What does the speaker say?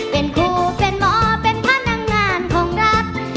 เป็นครูเป็นหมอเป็นพนักงานของรัฐ